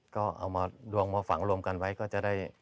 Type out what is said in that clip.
ก็เอามาดวงมาฝังรวมกันไว้ก็จะได้